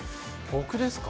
僕ですか？